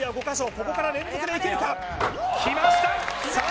ここから連続でいけるかきましたさあ